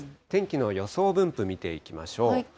天気の予想分布、見ていきましょう。